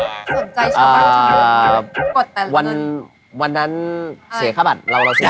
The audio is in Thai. สนใจเหรออ่าวันวันนั้นเสียค่ะบัตรเรารอที